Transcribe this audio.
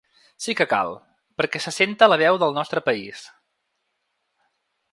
Sí que cal, perquè se senta la veu del nostre país.